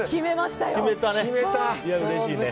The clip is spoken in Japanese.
うれしいね。